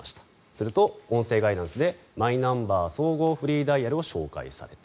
すると、音声ガイダンスでマイナンバー総合フリーダイヤルを紹介された。